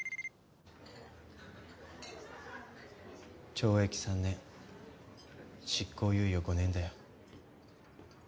懲役３年執行猶予５年だよ。